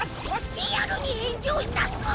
リアルに炎上したッス！